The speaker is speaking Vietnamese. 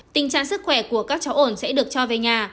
tình trạng sức khỏe của các cháu ổn sẽ được cho về nhà